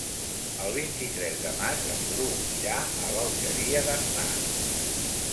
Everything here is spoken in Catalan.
El vint-i-tres de maig en Bru irà a l'Alqueria d'Asnar.